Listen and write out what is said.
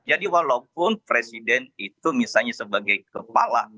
jadi walaupun presiden itu misalnya sebagai kepala